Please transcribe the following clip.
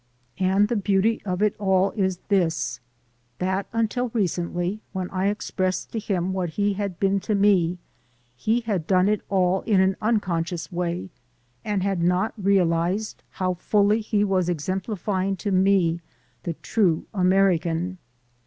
And the beauty of it all is this: That until recently, when I expressed to him what he had been to me, he had done it all in an un conscious way and had not realized how fully he was exemplifying to me the true American.